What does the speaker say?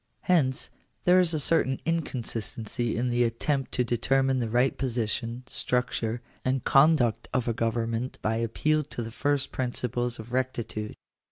Hence, there is a certain inconsistency in the attempt to determine the right position, structure, and conduct of a govern ment by appeal to the first principles of rectitude.